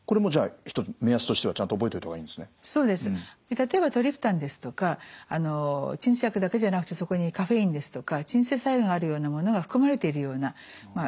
例えばトリプタンですとか鎮痛薬だけじゃなくてそこにカフェインですとか鎮静作用があるようなものが含まれているようなまあ